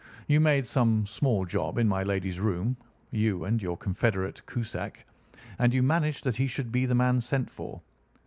You made some small job in my lady's room—you and your confederate Cusack—and you managed that he should be the man sent for.